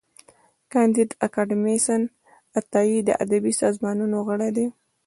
کانديد اکاډميسن عطايي د ادبي سازمانونو غړی و.